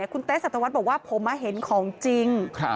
คุณเต๊ะสัตวัสบอกว่าพอมาเห็นของจริง